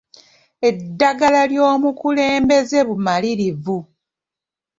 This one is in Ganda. Eddagala ly'omukulembeze bumalirivu.